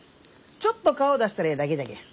ちょっと顔出したらええだけじゃけん。